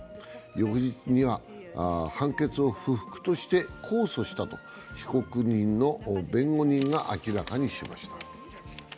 翌日には、判決を不服として控訴したと、被告人の弁護人が明らかにしました。